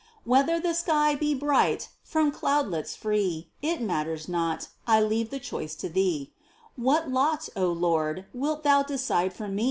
Whether the sky be bright, from cloudlets free, It matters not — I leave the choice to Thee, What lot, Lord, wilt Thou decide for me ?